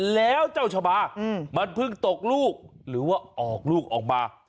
แล้วเจ้าชะบามันเพิ่งตกลูกหรือว่าออกลูกออกมา